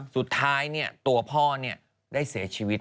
สุดท้ายเนี่ยตัวพ่อเนี่ยได้เสียชีวิต